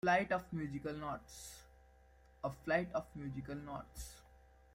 A flight of musical notes.